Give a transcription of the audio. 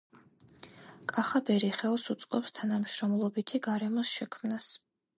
კახაბერი ხელს უწყობს თანამშრომლობითი გარემოს შექმნას